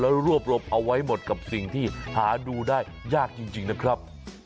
แล้วรวบรวมเอาไว้หมดกับสิ่งที่หาดูได้ยากจริงนะครับ